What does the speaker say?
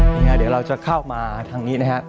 ยังไงเดี๋ยวเราจะเข้ามาทางนี้นะครับ